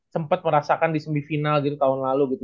sempat merasakan di semifinal gitu tahun lalu gitu